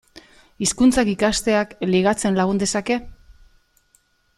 Hizkuntzak ikasteak ligatzen lagun dezake?